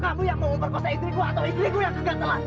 kamu yang mau memperkosa istriku atau istriku yang kegatelan